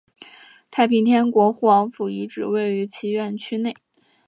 太平天国护王府遗址位于其院区内。